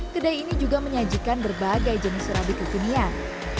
kedai ini juga menyajikan berbagai jenis rabi kekinian